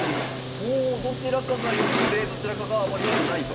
ほおどちらかが良くてどちらかがあまり良くないと。